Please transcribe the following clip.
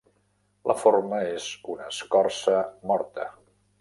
La forma és una escorça morta.